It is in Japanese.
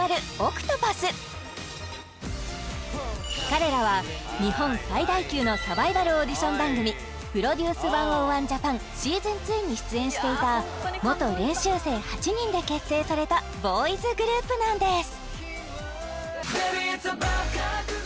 彼らは日本最大級のサバイバルオーディション番組「ＰＲＯＤＵＣＥ１０１ＪＡＰＡＮＳＥＡＳＯＮ２」に出演していた元練習生８人で結成されたボーイズグループなんです